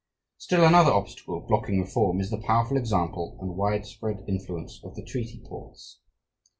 Still another obstacle blocking reform is the powerful example and widespread influence of the treaty ports.